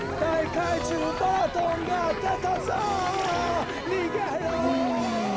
かいじゅうバラドンがでたぞ！にげろ！